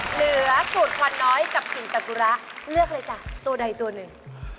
เหลือสูตรควันน้อยกับสิ่งศักดิ์ุระเลือกเลยจ้ะตัวใดตัวหนึ่ง